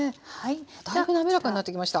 だいぶ滑らかになってきました。